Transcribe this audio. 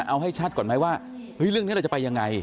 เอาให้ชัดก่อนไหมว่าเรื่องนี้เราจะไปยังไง